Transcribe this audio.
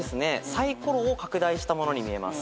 サイコロを拡大したものに見えます。